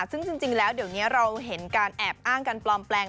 ซึ่งจริงแล้วเดี๋ยวนี้เราเห็นการแอบอ้างการปลอมแปลง